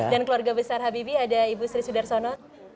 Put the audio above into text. dan keluarga besar habibi ada ibu sri sudarsono